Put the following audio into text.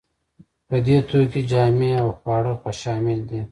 په دې توکو کې جامې او خواړه شامل دي.